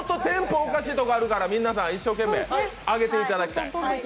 おかしいところあるから、皆さん一生懸命上げていただきたい。